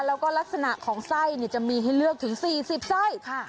แล้วก็ลักษณะของไส้จะมีให้เลือกถึง๔๐ไส้